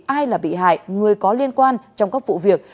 ai là bị hại người có liên quan trong các vụ việc